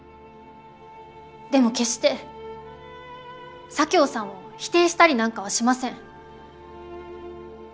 でも決して左京さんを否定したりなんかはしません。